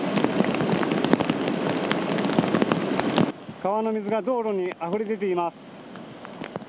川の水が道路にあふれ出ています。